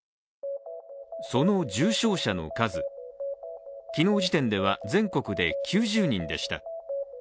その重症者の数、昨日時点では全国で９０人でした。